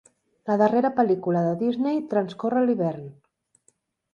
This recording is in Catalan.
La darrera pel·lícula de Disney transcorre a l'hivern.